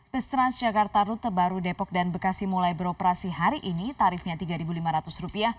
bus transjakarta rute baru depok dan bekasi mulai beroperasi hari ini tarifnya rp tiga lima ratus